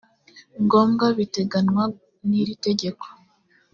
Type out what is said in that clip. ngombwa biteganywa n iri tegeko